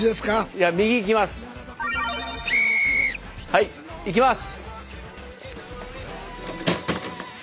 はいいきます。